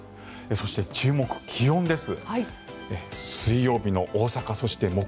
そして注目、気温です。